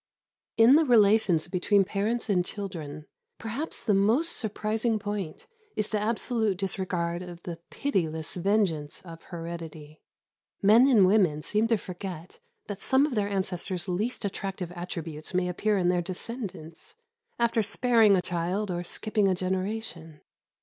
In the relations between parents and children, perhaps the most surprising point is the absolute disregard of the pitiless vengeance of heredity. Men and women seem to forget that some of their ancestors' least attractive attributes may appear in their descendants, after sparing a child or skipping a generation.